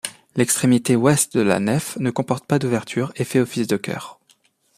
L'extrémité ouest de la nef ne comporte pas d'ouverture et fait office de chœur.